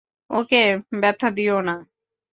ওকে ব্যথা দিও না।